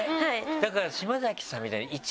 だから島崎さんみたいに。